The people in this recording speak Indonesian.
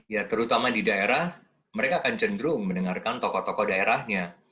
ya terutama di daerah mereka akan cenderung mendengarkan tokoh tokoh daerahnya